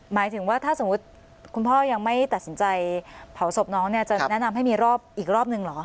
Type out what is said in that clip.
หมายถึงว่าถ้าสมมุติคุณพ่อยังไม่ตัดสินใจเผาศพน้องเนี่ยจะแนะนำให้มีรอบอีกรอบหนึ่งเหรอ